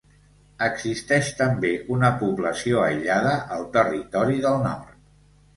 Existeix també una població aïllada al Territori del Nord.